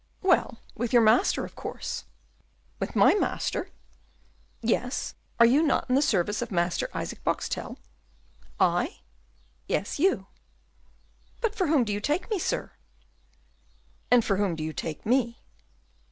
"Well, with your master, of course." "With my master?" "Yes, are you not in the service of Master Isaac Boxtel?" "I?" "Yes, you." "But for whom do you take me, sir?" "And for whom do you take me?"